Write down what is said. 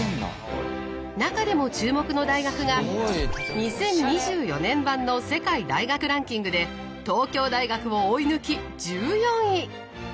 中でも注目の大学が２０２４年版の世界大学ランキングで東京大学を追い抜き１４位！